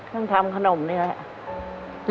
แล้วก็ทำขนมนี้แหละ